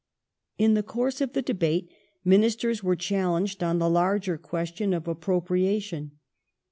In the course of the debate Ministers w^ere challenged jon the larger question of appro priation.